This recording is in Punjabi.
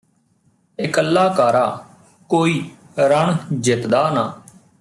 ਇਕੱਲਾ ਕਾਰਾ ਕੋਈ ਰਣ ਜਿੱਤਦਾ ਨਾ